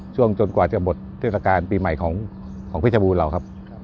จนกว่าจะหมดเทศกาลปีใหม่ของเพชรบูรณ์เราครับ